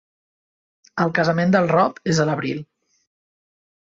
El casament del Rob és a l'Abril.